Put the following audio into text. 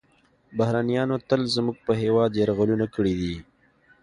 بهرنیانو تل زموږ په هیواد یرغلونه کړي دي